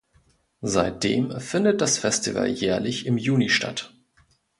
Seitdem findet das Festival jährlich im Juni statt.